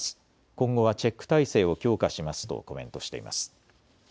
今後はチェック体制を強化しますとコメントしています。